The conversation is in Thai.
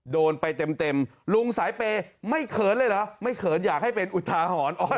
โดนไปเต็มลุงสายเปย์ไม่เขินเลยเหรอไม่เขินอยากให้เป็นอุทาหรณ์